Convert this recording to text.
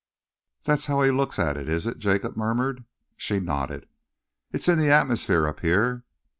"That's how he looks at it, is it?" Jacob murmured. She nodded. "It's in the atmosphere up here."